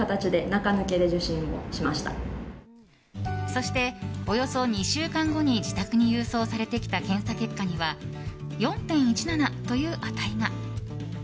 そして、およそ２週間後に自宅に郵送されてきた検査結果には４．１７という値が。